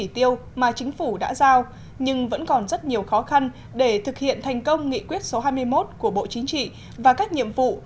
tiếp theo chương trình